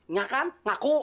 nggak kan ngaku